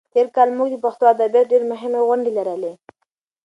تېر کال موږ د پښتو ادب ډېرې مهمې غونډې لرلې.